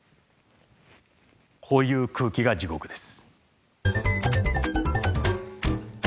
こういう空気が地獄です。